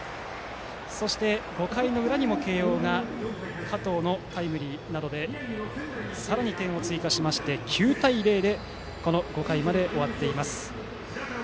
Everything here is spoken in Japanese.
そして５回裏にも慶応が加藤のタイムリーなどでさらに点を追加しまして９対０でこの５回まで終わっています。